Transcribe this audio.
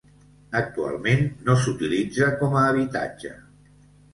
Actualment no s'utilitza com a habitatge.